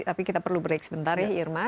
tapi kita perlu break sebentar ya irman